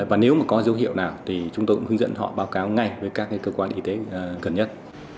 và nếu mà có dấu hiệu nào thì chúng tôi cũng hướng dẫn họ báo cáo ngay với các cơ quan y tế gần nhất